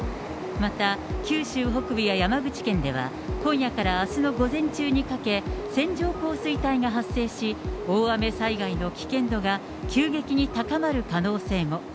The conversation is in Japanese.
また、九州北部や山口県では、今夜からあすの午前中にかけ、線状降水帯が発生し、大雨災害の危険度が急激に高まる可能性も。